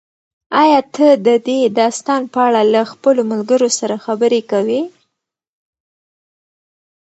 ایا ته د دې داستان په اړه له خپلو ملګرو سره خبرې کوې؟